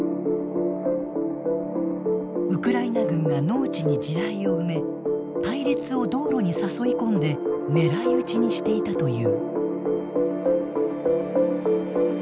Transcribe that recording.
ウクライナ軍が農地に地雷を埋め隊列を道路に誘い込んで狙い撃ちにしていたという。